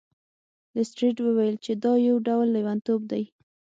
لیسټرډ وویل چې دا یو ډول لیونتوب دی.